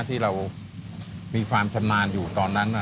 ที่เรามีฟาร์มชะมันอยู่ตอนนั้นน่ะ